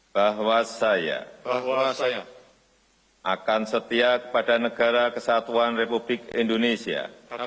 bahwa saya akan setia kepada negara kesatuan republik indonesia